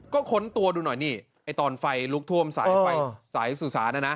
ก็ค้นตัวดูหน่อยนี่ไอ้ตอนไฟลุกท่วมสายไฟสายสื่อสารนะนะ